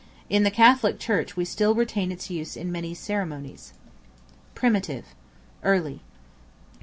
In the Catholic Church we still retain its use in many ceremonies. Primitive, early.